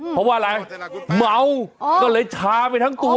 เพราะว่าอะไรเมาก็เลยชาไปทั้งตัว